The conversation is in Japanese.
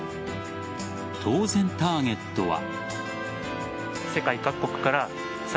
当然、ターゲットは。